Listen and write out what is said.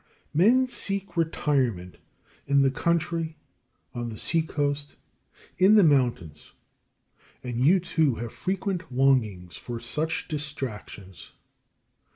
3. Men seek retirement in the country, on the sea coast, in the mountains; and you too have frequent longings for such distractions.